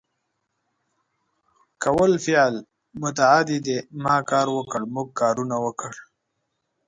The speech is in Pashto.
کول فعل متعدي دی ما کار وکړ ، موږ کارونه وکړ